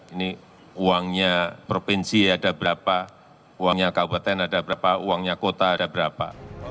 ini uangnya provinsi ada berapa uangnya kabupaten ada berapa uangnya kota ada berapa